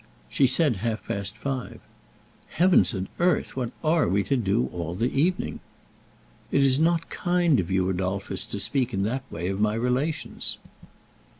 "She said half past five." "Heavens and earth! What are we to do all the evening?" "It is not kind of you, Adolphus, to speak in that way of my relations."